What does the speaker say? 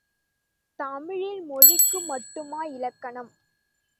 தமிழில் மொழிக்கு மட்டுமா இலக்கணம்!